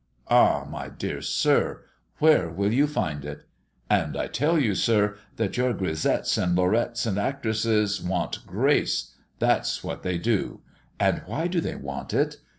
Ah, my dear sir, where will you find it?" "And I tell you, sir, that your grisettes and lorettes and actresses want grace, that's what they do. And why do they want it?